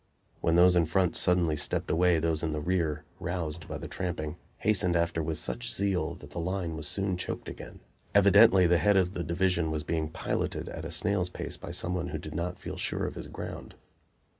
When those in front suddenly stepped away those in the rear, roused by the tramping, hastened after with such zeal that the line was soon choked again. Evidently the head of the division was being piloted at a snail's pace by some one who did not feel sure of his ground.